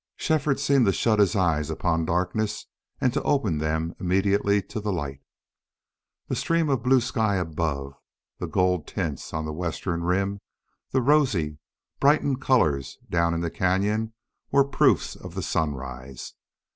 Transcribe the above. Shefford seemed to shut his eyes upon darkness and to open them immediately to the light. The stream of blue sky above, the gold tints on the western rim, the rosy, brightening colors down in the cañon, were proofs of the sunrise.